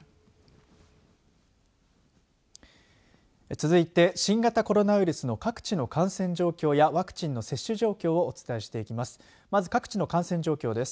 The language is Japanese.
続いて新型コロナウイルスの各地の感染状況やワクチンの接種状況をお伝えしていきます。